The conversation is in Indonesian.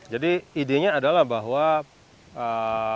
jadi idenya adalah bahwa kaum muslim di seluruh dunia